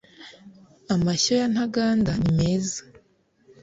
amashyo ya ntaganda ni meza